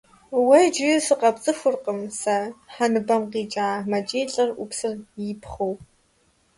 — Уэ иджыри сыкъэпцӏыхуркъым сэ, хьэ ныбэм къикӀа! — мэкӏий лӏыр ӏупсыр ипхъыу.